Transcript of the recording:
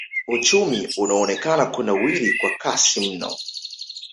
Uchumi unaonekana kunawiri kwa kasi mno.